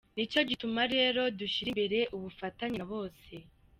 Nicyo gituma rero dushyira imbere ubufatanye na bose.